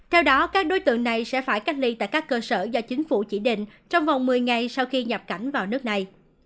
theo đó các đối tượng này sẽ phải cách ly tại các cơ sở do chính phủ chỉ định trong vòng một mươi ngày sau khi nhập cảnh vào nước này